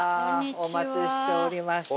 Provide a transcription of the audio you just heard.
お待ちしておりました。